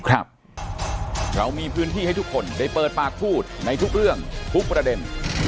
เรามีพื้นที่ให้ทุกคนได้เปิดปากพูดในทุกเรื่องทุกประเด็น